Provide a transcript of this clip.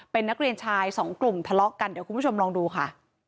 เป็นนักเรียนชายสองกลุ่มทะเลาะกันเดี๋ยวคุณผู้ชมลองดูค่ะ